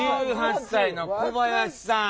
１８歳の小林さん。